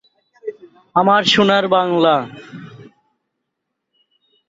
Hertz নামটি শুনে মজা পান এবং এটি ব্যবহার করার সিদ্ধান্ত নেন।